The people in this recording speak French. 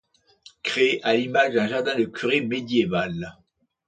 Créé à l'image d'un jardin de curé médiéval.